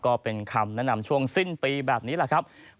ก็เป็นคำแนะนำช่วงสิ้นปีแบบนี้แหละครับ